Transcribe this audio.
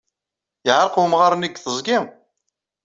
Yeɛreq wemɣar-nni deg teẓgi?